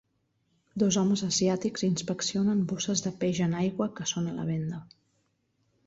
Dos homes asiàtics inspeccionen bosses de peix en aigua que són a la venda.